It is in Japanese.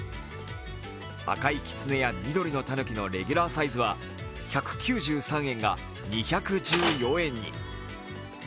赤いきつねや緑のたぬきのレギュラーサイズは、１９３円が２１４円に。